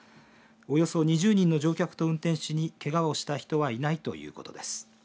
およそ２０人の乗客と運転士にけがをした人はいないということです。